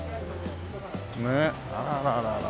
ねえあららららら。